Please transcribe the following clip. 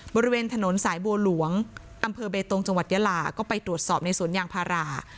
บริเวณถนนสายบัวหลวงอำเภอเบตงจังหวัดยาลาก็ไปตรวจสอบในสวนยางพารา